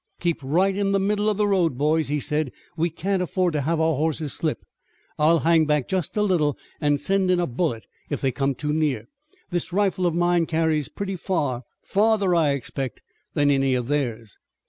"Keep right in the middle of the road, boys," he said. "We can't afford to have our horses slip. I'll hang back just a little and send in a bullet if they come too near. This rifle of mine carries pretty far, farther, I expect, than any of theirs."